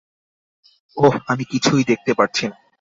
ওহ, আমি কিছুই দেখতে পারছি না।